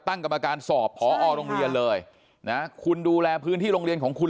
ตั้งกรรมการสอบพอโรงเรียนเลยนะคุณดูแลพื้นที่โรงเรียนของคุณ